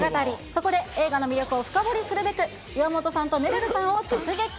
そこで映画の魅力を深掘りするべく、岩本さんとめるるさんを直撃。